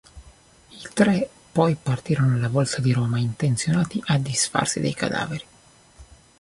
I tre poi partirono alla volta di Roma, intenzionati a disfarsi dei cadaveri.